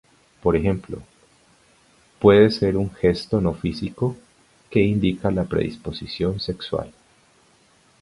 Por ejemplo, puede ser un gesto no físico que indica la predisposición sexual.